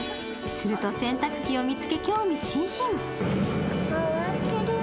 すると洗濯機を見つけ興味津々。